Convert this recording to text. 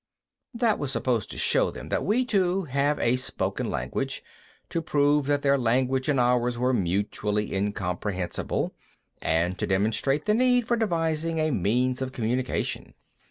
That was supposed to show them that we, too, have a spoken language, to prove that their language and ours were mutually incomprehensible, and to demonstrate the need for devising a means of communication.